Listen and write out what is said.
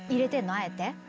あえて。